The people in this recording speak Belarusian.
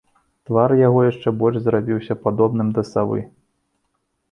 Твар яго яшчэ больш зрабіўся падобным да савы.